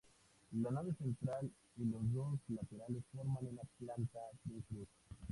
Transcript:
La nave central y los dos laterales forman una planta de cruz.